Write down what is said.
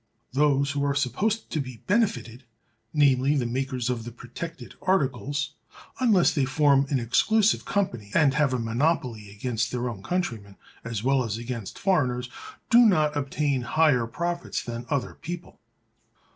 Those who are supposed to be benefited, namely, the makers of the protected articles (unless they form an exclusive company, and have a monopoly against their own countrymen as well as against foreigners), do not obtain higher profits than other people.